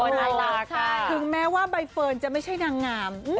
ถึงแม้ว่าใบเฟินจะไม่ใช่นางงาม